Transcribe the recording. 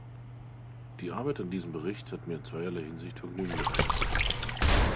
Die Arbeit an diesem Bericht hat mir in zweierlei Hinsicht Vergnügen bereitet.